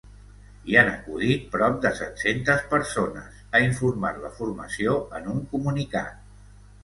Hi han acudit prop de set-centes persones, ha informat la formació en un comunicat.